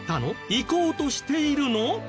行こうとしているの？